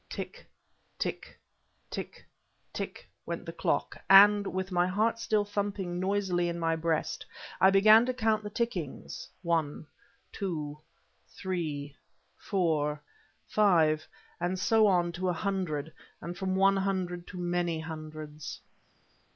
Tick tick tick tick went the clock, and, with my heart still thumping noisily in my breast, I began to count the tickings; one, two, three, four, five, and so on to a hundred, and from one hundred to many hundreds.